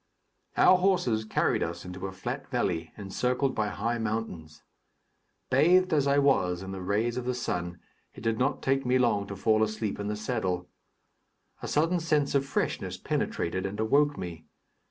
Our horses carried us into a flat valley, encircled by high mountains. Bathed as I was in the rays of the sun, it did not take me long to fall asleep in the saddle. A sudden sense of freshness penetrated and awoke me.